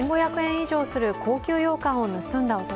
以上する高級ようかんを盗んだ男。